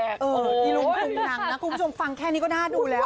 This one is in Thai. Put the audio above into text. เออที่ลุงตุงนังนะคุณผู้ชมฟังแค่นี้ก็น่าดูแล้ว